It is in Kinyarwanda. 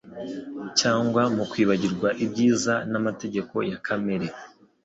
cyangwa mukwibagirwa ibyiza namategeko ya kamere